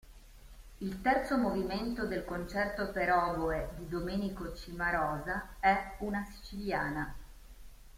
Il terzo movimento del concerto per oboe di Domenico Cimarosa è una siciliana.